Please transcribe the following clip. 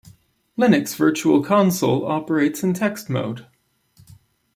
Linux virtual console operates in text mode.